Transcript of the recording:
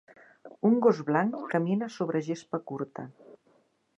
Un gos blanc camina sobre gespa curta.